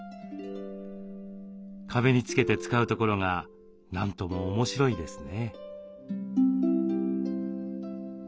壁に付けて使うところがなんとも面白いですね。